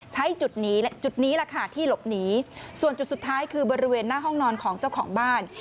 ใช้จุดนี้จุดนี้แหละค่ะที่หลบหนีส่วนจุดสุดท้ายคือบริเวณหน้าห้องนอนของเจ้าของบ้าน